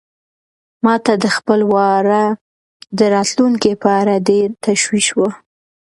ما ته د خپل وراره د راتلونکي په اړه ډېر تشویش و.